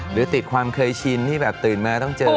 หรือติดความเคยชินที่แบบตื่นมาต้องเจอ